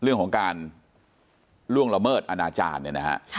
เรื่องของการล่วงละเมิดอาณาจารย์